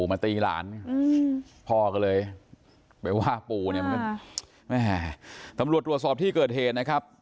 ไปว่าปูทำรวจตรวจสอบที่เกิดเหตุนะครับ